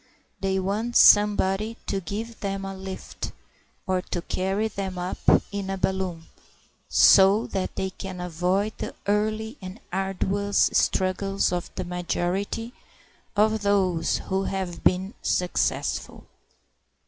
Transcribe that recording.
They want somebody to give them a lift or to carry them up in a balloon, so that they can avoid the early and arduous struggles of the majority of those who have been successful.